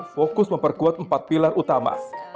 fokus memperkuat empat pilar utama